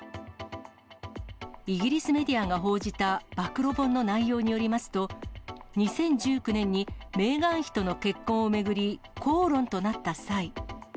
イギリスメディアが報じた暴露本の内容によりますと、２０１９年にメーガン妃との結婚を巡り、口論となった際。